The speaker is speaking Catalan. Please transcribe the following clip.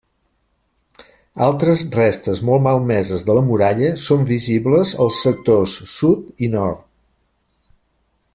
Altres restes molt malmeses de la muralla són visibles als sectors sud i nord.